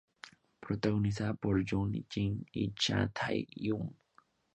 Protagonizada por Jun Ji Hyun y Cha Tae-hyun.